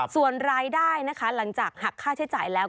ส่วนรายได้นะคะหลังจากหักค่าใช้จ่ายแล้ว